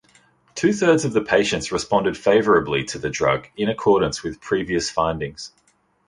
Two-thirds of the patients responded favorably to the drug, in accordance with previous findings.